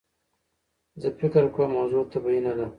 زه فکر کوم موضوع طبیعي نده.